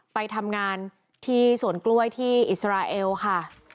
ไปทำงานที่สวนกล้วยที่อิสราเอลค่ะ